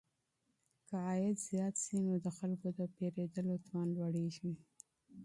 که عايد زيات سي نو د خلګو د پيرودلو توان لوړيږي.